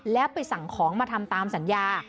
แล้วไปสั่งของมาทำตามสัญญา